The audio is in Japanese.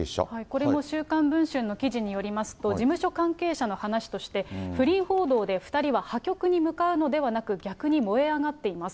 これも週刊文春の記事によりますと、事務所関係者の話として、不倫報道で、２人は破局に向かうのではなく、逆に燃え上がっています。